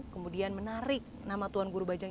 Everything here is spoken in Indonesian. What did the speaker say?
kemudian menarik nama tuan guru bajang